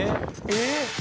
「えっ！？」